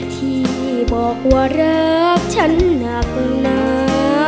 ที่บอกว่ารักฉันหนักหนา